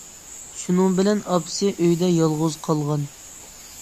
شۇنىڭ بىلەن ئاپىسى ئۆيدە يالغۇز قالغان.